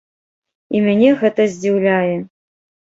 І мяне гэта здзіўляе.